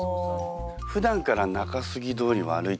ふだんから中杉通りは歩いてるんですか？